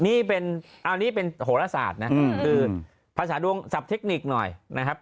อันนี้เป็นโหระสาทนะคือภาษาดวงศัพท์เทคนิคหน่อยนะครับ